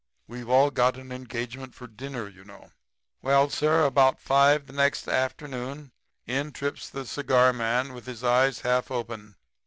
We've all got an engagement for dinner, you know.' "Well, sir, about 5 the next afternoon in trips the cigar man, with his eyes half open.